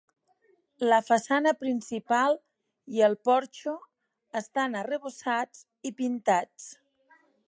La façana principal i el porxo estan arrebossats i pintats.